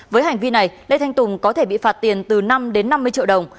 với hành vi này lê thanh tùng có thể bị phạt tiền từ năm đến năm mươi triệu đồng